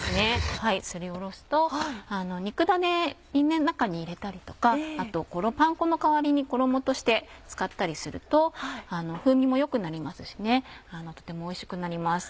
すりおろすと肉だねに中に入れたりとかこれをパン粉の代わりに衣として使ったりすると風味も良くなりますしとてもおいしくなります。